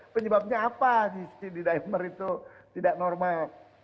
penyebabnya apa sih d dimer itu tidak normal